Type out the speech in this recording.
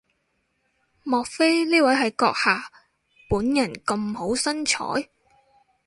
莫非呢位係閣下本人咁好身材？